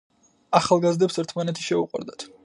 ახალგაზრდებს ერთმანეთი შეუყვარდათ.